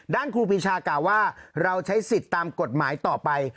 ครูปีชากล่าวว่าเราใช้สิทธิ์ตามกฎหมายต่อไป